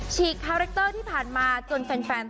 ฉีกคาแรคเตอร์ที่ผ่านมาจนแฟน